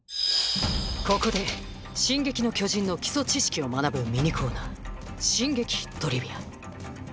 ここで「進撃の巨人」の基礎知識を学ぶミニコーナー「進撃トリビア」。